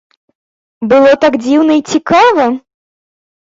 Было так дзіўна і цікава!